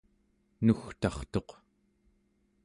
nugtartuq